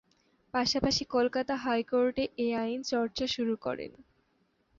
পাশাপাশি কলকাতা হাইকোর্ট-এ আইন চর্চা শুরু করেন।